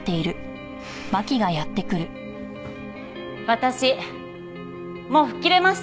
私もう吹っ切れました。